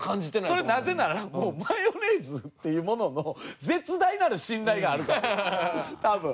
それなぜならもうマヨネーズっていうものの絶大なる信頼があるからでしょ多分。